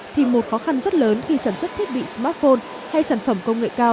thì một khó khăn rất lớn khi sản xuất thiết bị smartphone hay sản phẩm công nghệ cao